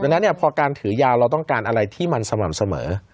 ดังนั้นพอการถือยาวเราต้องการอะไรที่มันสม่ำเสมอ